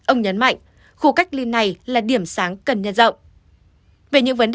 ông nhấn mạnh khu cách ly này là điểm sáng cần nhân rộng